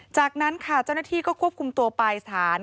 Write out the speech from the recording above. จากนั้นค่ะเจ้าหน้าที่ก็ควบคุมตัวไปสถาน